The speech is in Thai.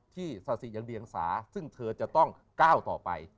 ศาสิยังเดียงสาซึ่งเธอจะต้องก้าวต่อไป